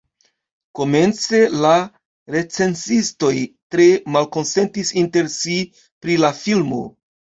Komence la recenzistoj tre malkonsentis inter si pri la filmo.